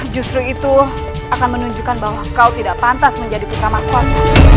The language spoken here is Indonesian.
justru itu akan menunjukkan bahwa kau tidak pantas menjadi putra mahkota